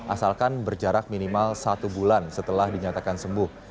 asalkan berjarak minimal satu bulan setelah dinyatakan sembuh